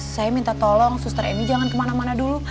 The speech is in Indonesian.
saya minta tolong suster emi jangan kemana mana dulu